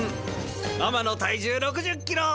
ママの体重６０キロ！